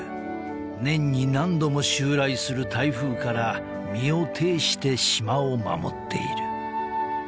［年に何度も襲来する台風から身をていして島を守っている］